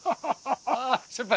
あっ先輩